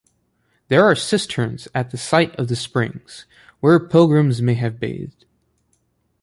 There are cisterns at the site of the springs, where pilgrims may have bathed.